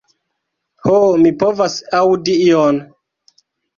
Ho, mi povas aŭdi ion.